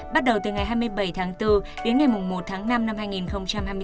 bắt đầu từ ngày hai mươi bảy tháng bốn đến ngày một tháng năm năm hai nghìn hai mươi bốn